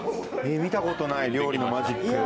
見たことない、料理のマジック。